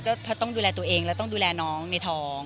ต้องดูแลตัวเองแล้วต้องดูแลน้องในท้อง